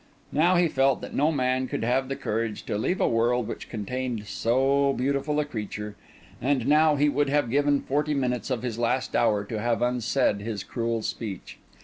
Now he felt that no man could have the courage to leave a world which contained so beautiful a creature; and now he would have given forty minutes of his last hour to have unsaid his cruel speech.